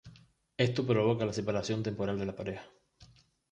Esto provoca la separación temporal de la pareja.